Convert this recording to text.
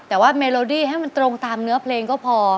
แต่ว่าเมโลดี้ให้มันตรงตามเนื้อเพลงก็พอ